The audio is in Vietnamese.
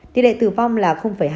tỷ lệ tử vong là hai mươi hai